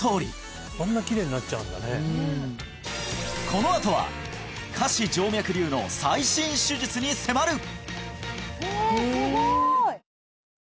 このあとは下肢静脈瘤の最新手術に迫る！